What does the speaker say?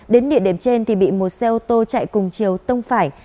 đến địa điểm trên thì bị một xe ô tô chạy cùng chiều tông phải